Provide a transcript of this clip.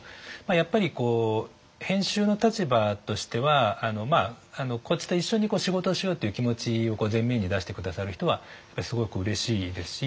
やっぱり編集の立場としてはこっちと一緒に仕事をしようっていう気持ちを前面に出して下さる人はすごくうれしいですし。